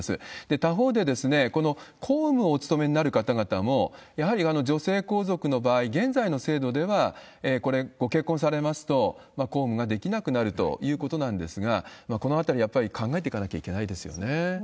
他方で、この公務をお務めになられる方々も、やはり女性皇族の場合、現在の制度ではこれ、ご結婚されますと公務ができなくなるということなんですが、このあたり、やっぱり考えていかなきゃいけないですよね。